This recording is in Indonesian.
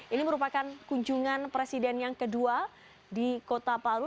ini merupakan kunjungan presiden yang kedua di kota palu